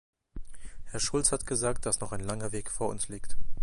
Herr Schulz hat gesagt, dass noch ein langer Weg vor uns liegt.